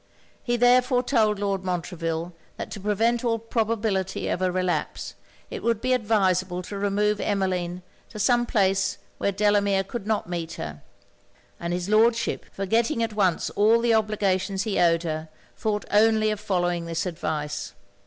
He therefore told Lord Montreville, that to prevent all probability of a relapse, it would be advisable to remove Emmeline to some place where Delamere could not meet her: and his Lordship, forgetting at once all the obligations he owed her, thought only of following this advice.